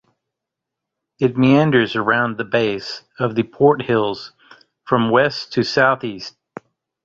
It meanders around the base of the Port Hills from west to south-east.